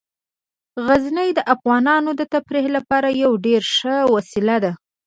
غزني د افغانانو د تفریح لپاره یوه ډیره ښه وسیله ده.